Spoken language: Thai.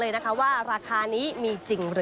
เป็นอย่างไรนั้นติดตามจากรายงานของคุณอัญชาฬีฟรีมั่วครับ